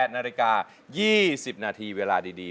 ๘นาฬิกา๒๐นาทีเวลาดี